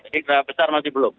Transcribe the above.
tidak besar masih belum